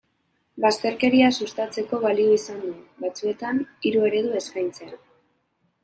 Bazterkeria sustatzeko balio izan du, batzuetan, hiru eredu eskaintzea.